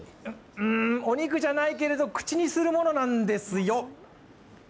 んお肉じゃないけれども口にするものなんですよ。